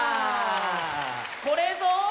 これぞ！